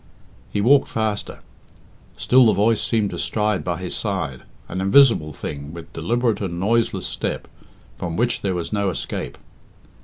He walked faster. Still the voice seemed to stride by his side, an invisible thing, with deliberate and noiseless step, from which there was no escape.